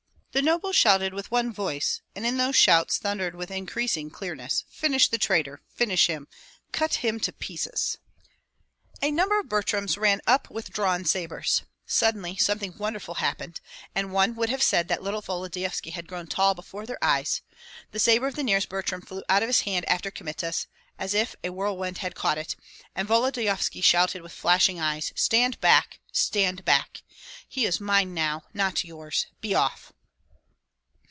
The nobles shouted with one voice, and in those shouts thundered with increasing clearness: "Finish the traitor! finish him! cut him to pieces!" A number of Butryms ran up with drawn sabres. Suddenly something wonderful happened, and one would have said that little Volodyovski had grown tall before their eyes: the sabre of the nearest Butrym flew out of his hand after Kmita's, as if a whirlwind had caught it, and Volodyovski shouted with flashing eyes, "Stand back, stand back! He is mine now, not yours! Be off!"